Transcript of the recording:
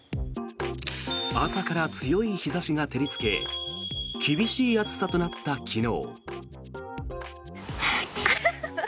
朝から強い日差しが照りつけ厳しい暑さとなった昨日。